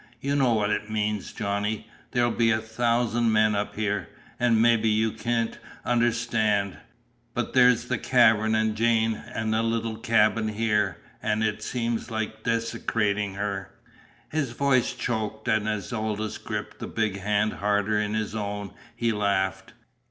You know what it means, Johnny. There'll be a thousand men up here; an' mebby you can't understand but there's the cavern an' Jane an' the little cabin here; an' it seems like desecratin' her." His voice choked, and as Aldous gripped the big hand harder in his own he laughed.